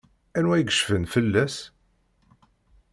Anwa i yecfan fell-as?